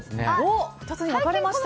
２つに分かれました。